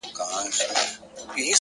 پرمختګ د جرئت او هڅې ملګرتیا ده